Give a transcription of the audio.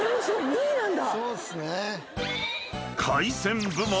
２位なんだ。